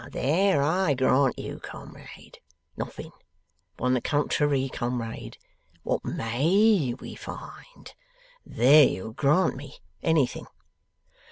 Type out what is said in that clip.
There I grant you, comrade. Nothing. But on the contrary, comrade, what MAY we find? There you'll grant me. Anything.